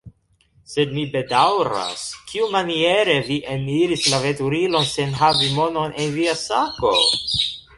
Sed mi bedaŭras, kiumaniere vi eniris la veturilon sen havi monon en via sako?